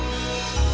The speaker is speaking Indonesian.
itu lagiake diperbaiki